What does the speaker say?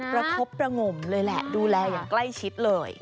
ประคบประงมเลยแหละดูแลอย่างใกล้ชิดเลย